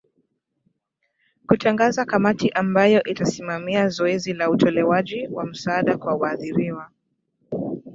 kutangaza kamati ambayo itasimamia zoezi la utolewaji wa msaada kwa waadhiriwa